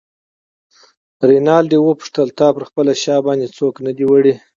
رینالډي وپوښتل: تا پر خپله شا باندې څوک نه دی وړی؟